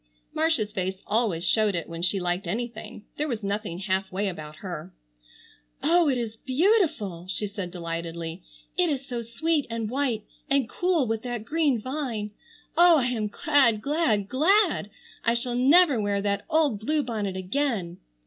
Marcia's face always showed it when she liked anything. There was nothing half way about her. "Oh, it is beautiful!" she said delightedly. "It is so sweet and white and cool with that green vine. Oh, I am glad, glad, glad! I shall never wear that old blue bonnet again."